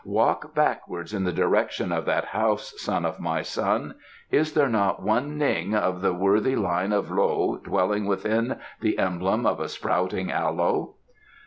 "Walk backwards in the direction of that house, son of my son. Is there not one Ning of the worthy line of Lo, dwelling beneath the emblem of a Sprouting Aloe?"